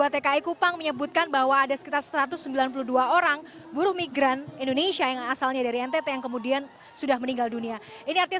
tentang buruh migran indonesia yang asalnya dari ntt yang kemudian sudah meninggal dunia ini artinya